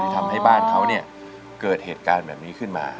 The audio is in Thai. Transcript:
ทำให้บ้านเขาเกิดเหตุการณ์แบบนี้ขึ้นมา